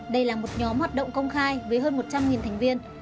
đây là một nhóm hoạt động công khai với hơn một trăm linh thành viên